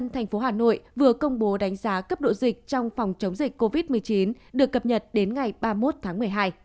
thành phố hà nội vừa công bố đánh giá cấp độ dịch trong phòng chống dịch covid một mươi chín được cập nhật đến ngày ba mươi một tháng một mươi hai